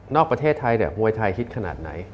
นอกประเทศไทยมวยไทยฮิตขนาดไหน